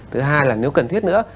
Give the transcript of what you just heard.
thứ hai là nếu cần thiết nữa